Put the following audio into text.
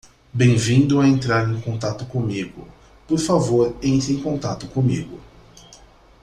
Bem-vindo a entrar em contato comigo, por favor entre em contato comigo.